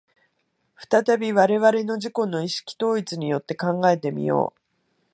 再び我々の自己の意識統一によって考えて見よう。